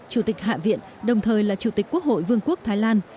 chủ tịch hạ viện đồng thời là chủ tịch quốc hội vương quốc thái lan